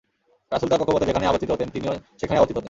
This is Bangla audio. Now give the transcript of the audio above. রাসূল তাঁর কক্ষপথে যেখানেই আবর্তিত হতেন তিনিও সেখানেই আবর্তিত হতেন।